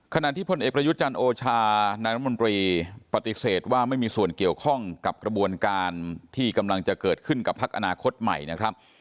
ขณะที่พลเอกประยุทธ์จันทร์โอชานายรัฐมนตรีปฏิเสธว่าไม่มีส่วนเกี่ยวข้องกับกระบวนการที่กำลังจะเกิดขึ้นกับพักอนาคตใหม่นะครับ